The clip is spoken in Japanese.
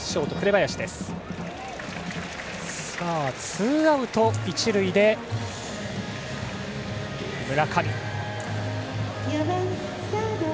ツーアウト一塁で村上。